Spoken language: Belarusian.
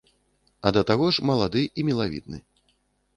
А да таго ж малады і мілавідны.